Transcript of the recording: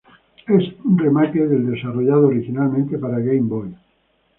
Es un remake del desarrollado originalmente para Game Boy.